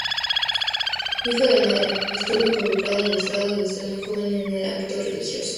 Hijo de madre soltera, estuvo involucrado desde muy joven en el ámbito religioso.